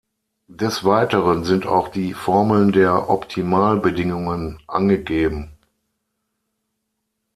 Des Weiteren sind auch die Formeln der Optimal-Bedingungen angegeben.